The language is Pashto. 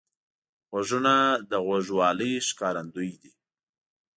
غوږونه د غوږوالۍ ښکارندوی دي